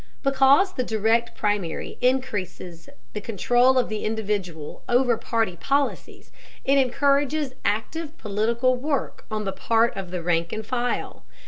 Because the Direct Primary increases the control of the individual over party policies, it encourages active political work on the part of the rank and file.